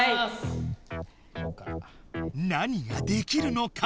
何ができるのか？